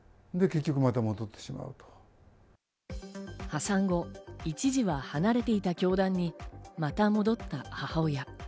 破産後、一時は離れていた教団にまた戻った母親。